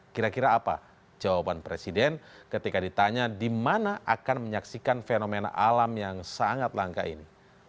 kira kira apa jawaban presiden ketika ditanya di mana akan menyaksikan fenomena alam yang sangat langka ini